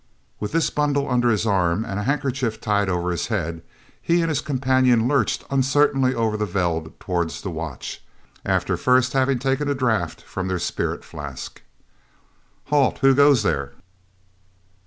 With this bundle under his arm and a handkerchief tied over his head, he and his companion lurched uncertainly over the veld towards the watch, after first having taken a draught from their spirit flask. "Halt! who goes there?"